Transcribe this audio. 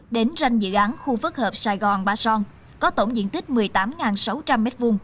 đến ranh dự án khu phức hợp sài gòn ba son có tổng diện tích một mươi tám sáu trăm linh m hai